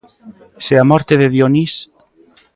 se a morte de Dionís